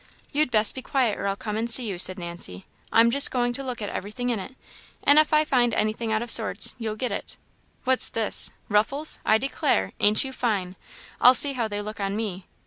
"You'd best be quiet, or I'll come and see you," said Nancy; "I'm just going to look at everything in it, and if I find anything out of sorts, you'll get it. What's this? ruffles, I declare! ain't you fine! I'll see how they look on me.